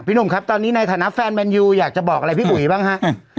หนุ่มครับตอนนี้ในฐานะแฟนแมนยูอยากจะบอกอะไรพี่อุ๋ยบ้างฮะ